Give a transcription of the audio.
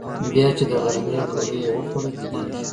بيا چې د غرمې ډوډۍ يې وخوړه بيدېږي.